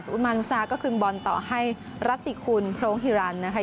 อุมันซาก็คือบอลต่อให้รัติคุณโพรงฮิรันนะคะ